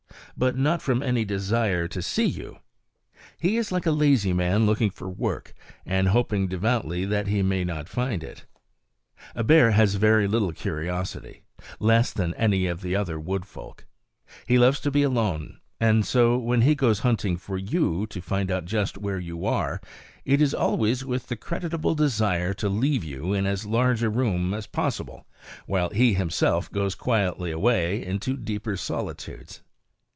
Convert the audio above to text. But not from any desire to see you! He is like a lazy man looking for work, and hoping devoutly that he may not find it. A bear has very little curiosity less than any other of the wood folk. He loves to be alone; and so, when he goes hunting for you, to find out just where you are, it is always with the creditable desire to leave you in as large a room as possible, while he himself goes quietly away into deeper solitudes.